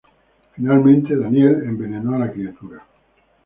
Finalmente, Daniel envenenó a la criatura.